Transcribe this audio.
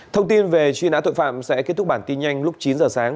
thông tin về truy nã tội phạm sẽ kết thúc bản tin nhanh lúc chín giờ sáng